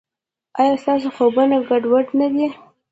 ایا ستاسو خوبونه ګډوډ نه دي؟